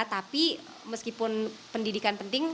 tapi meskipun pendidikan penting